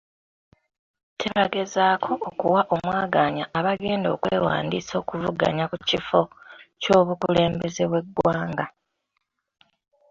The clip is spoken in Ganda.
Tebagezako okuwa omwagaanya abagenda okwewandiisa okuvuganya ku kifo ky'obukulembeze bw'eggwanga.